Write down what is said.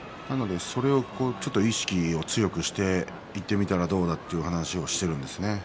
意識を強くしていってみたらどうだという話をしているんですね。